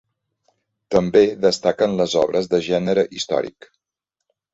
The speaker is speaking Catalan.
També destaquen les obres de gènere històric.